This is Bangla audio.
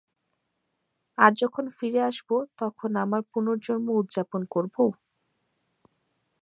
আর যখন ফিরে আসব, তখন আমার পূণর্জন্ম উদযাপন করব?